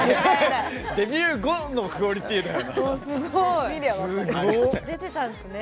デビュー後のクオリティーだよね。